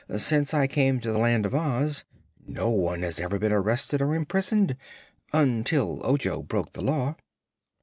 Since I came to the Land of Oz no one has ever been arrested or imprisoned until Ojo broke the Law."